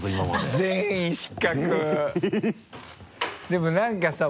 でも何かさ